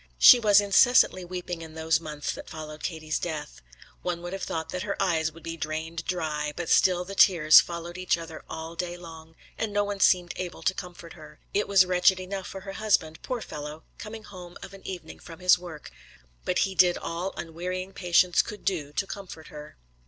She was incessantly weeping in those months that followed Katie's death. One would have thought that her eyes would be drained dry, but still the tears followed each other all day long, and no one seemed able to comfort her. It was wretched enough for her husband, poor fellow, coming home of an evening from his work, but he did all unwearying patience could do to comfort her.